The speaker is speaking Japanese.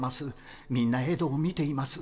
みんなエドを見ています。